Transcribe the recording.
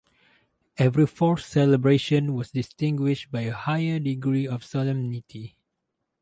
Every fourth celebration was distinguished by a higher degree of solemnity.